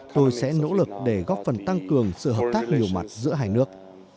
tôi sẽ nỗ lực để góp phần tăng cường sự hợp tác nhiều mặt giữa hai nước